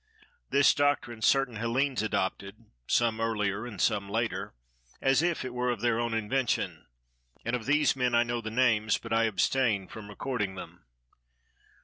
This doctrine certain Hellenes adopted, some earlier and some later, as if it were of their own invention, and of these men I know the names but I abstain from recording them.